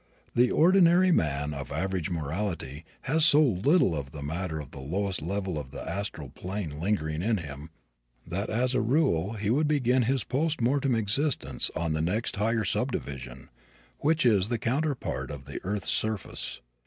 The ordinary man of average morality has so little of the matter of the lowest level of the astral plane lingering in him that as a rule he would begin his postmortem existence on the next higher subdivision, which is the counterpart of the earth's surface.